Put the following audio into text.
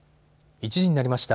１時になりました。